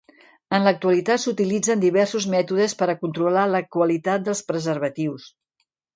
En l'actualitat s'utilitzen diversos mètodes per a controlar la qualitat dels preservatius.